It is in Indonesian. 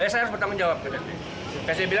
saya harus bertanggung jawab